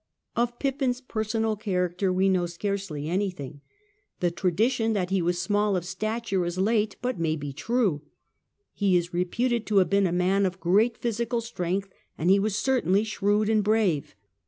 Of Pippin's personal character we know scarcely anything. The tradition that he was small of stature is late, but may be true. He is reputed to have been a man of great physical strength, and he was certainly shrewd and brave.